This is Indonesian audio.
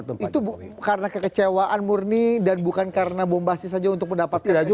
tapi itu karena kekecewaan murni dan bukan karena bombasi saja untuk mendapatkan eksplosi